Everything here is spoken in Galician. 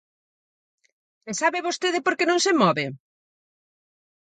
¿E sabe vostede por que non se move?